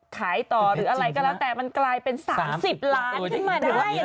ขายต่อหรืออะไรก็แล้วแต่มันกลายเป็น๓๐ล้านขึ้นมาได้